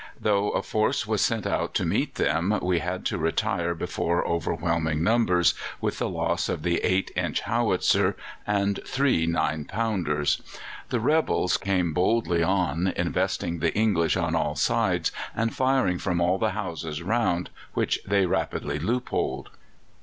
Though a force was sent out to meet them, we had to retire before overwhelming numbers, with the loss of the 8 inch howitzer and three 9 pounders. The rebels came boldly on, investing the English on all sides, and firing from all the houses round, which they rapidly loopholed.